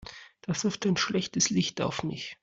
Das wirft ein schlechtes Licht auf mich.